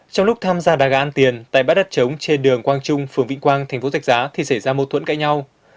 trong lúc tham gia đà gã an tiền tại bã đất trống trên đường quang trung phường vĩnh quang thành phố rạch giá thì xảy ra mâu thuẫn cãi nhau